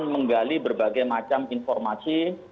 menggali berbagai macam informasi